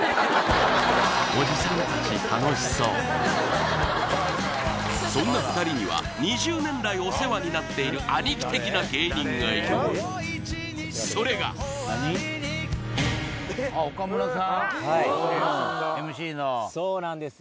そんな２人には２０年来お世話になっている兄貴的な芸人がいるそれがあっ岡村さんはいＭＣのそうなんです